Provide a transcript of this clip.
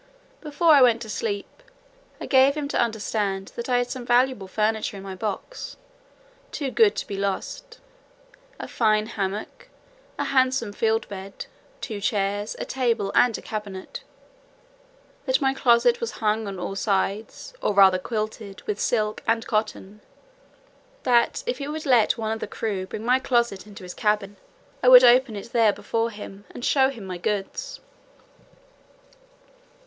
Before I went to sleep, I gave him to understand that I had some valuable furniture in my box, too good to be lost: a fine hammock, a handsome field bed, two chairs, a table, and a cabinet; that my closet was hung on all sides, or rather quilted, with silk and cotton; that if he would let one of the crew bring my closet into his cabin, I would open it there before him, and show him my goods.